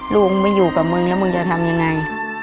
มึงไม่อยู่กับมึงแล้วมึงจะทำยังไง